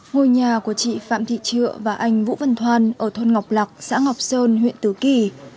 ngôi nhà của chị phạm thị trựa và anh vũ văn thoan ở thôn ngọc lạc xã ngọc sơn huyện tứ kỳ